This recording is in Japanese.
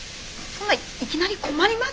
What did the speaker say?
そんないきなり困ります！